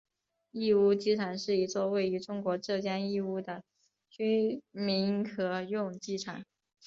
义乌机场是一座位于中国浙江义乌的军民合用机场。